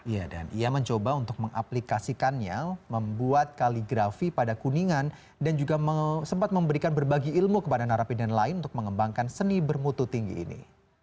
ya dan ia mencoba untuk mengaplikasikannya membuat kaligrafi pada kuningan dan juga sempat memberikan berbagi ilmu kepada narapidana lain untuk mengembangkan seni bermutu tinggi ini